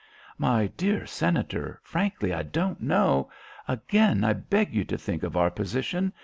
"My dear Senator, frankly, I don't know. Again I beg you to think of our position.